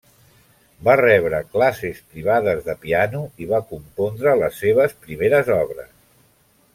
Va rebre classes privades de piano i va compondre les seves primeres obres.